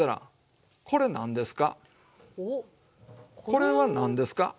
これは何ですか？